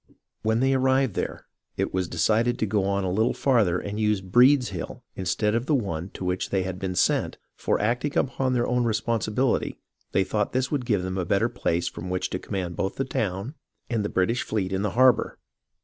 When they arrived there, it was decided to go on a little farther and use Breed's Hill instead of the one to which they had been sent ; for, acting upon their own responsibil ity, they thought this would give them a better place from which to command both the town and the British fleet in the harbour.